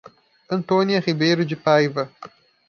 Antônia Ribeiro de Paiva